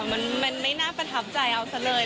มันไม่น่าประทับใจเอาซะเลย